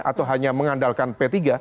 atau hanya mengandalkan p tiga